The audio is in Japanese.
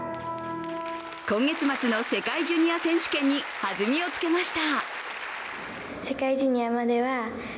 今月末の世界ジュニア選手権に弾みをつけました。